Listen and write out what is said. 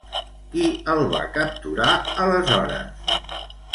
Qui el va capturar aleshores?